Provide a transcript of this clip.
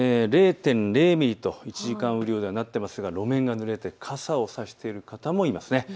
０．０ミリと１時間雨量はなっていますが路面がぬれて傘を差している方もいますね。